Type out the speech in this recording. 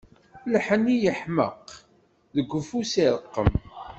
Lḥenni yeḥmeq, deg ufus ireqqem.